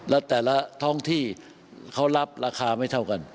และแต่ละท้องที่เขารับราคาไม่เท่ากัน